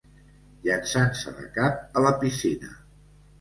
Llançant-se de cap a la piscina.